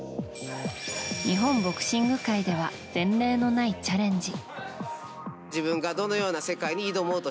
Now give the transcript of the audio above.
日本ボクシング界では前例のないチャレンジ。